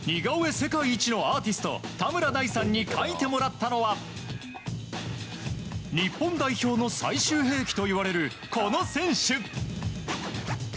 世界一のアーティスト田村大さんに描いてもらったのは日本代表の最終兵器といわれるこの選手。